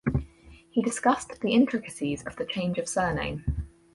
He discussed the intricacies of the change of surname.